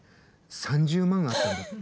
３０万あったんだって。